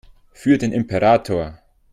Für den Imperator!